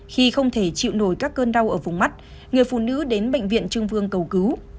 khi không thể chịu nổi các cơn đau ở vùng mắt người phụ nữ đến bệnh viện trưng vương cầu cứu